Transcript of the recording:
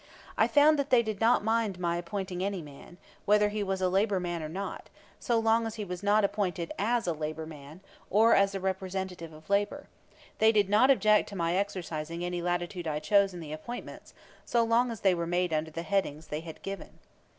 I found that they did not mind my appointing any man, whether he was a labor man or not, so long as he was not appointed as a labor man, or as a representative of labor; they did not object to my exercising any latitude I chose in the appointments so long as they were made under the headings they had given.